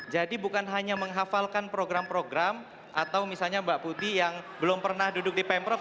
jadi bukan hanya menghafalkan program program atau misalnya mbak putih yang belum pernah duduk di pemprov